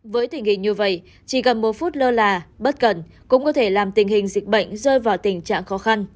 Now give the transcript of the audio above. với tình hình như vậy chỉ cần một phút lơ là bất cần cũng có thể làm tình hình dịch bệnh rơi vào tình trạng khó khăn